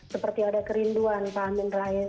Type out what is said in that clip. seperti ada kerinduan pak amin rais